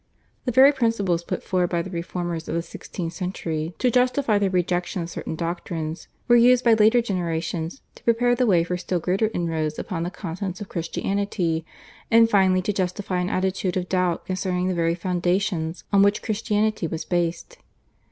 The very principles put forward by the Reformers of the sixteenth century to justify their rejection of certain doctrines were used by later generations to prepare the way for still greater inroads upon the contents of Christianity, and finally to justify an attitude of doubt concerning the very foundations on which Christianity was based.